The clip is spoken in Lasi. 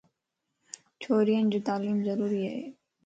ڇورين جي تعليم ضروري ائي.